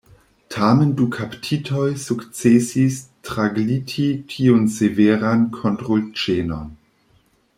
Tamen du kaptitoj sukcesis tragliti tiun severan kontrolĉenon.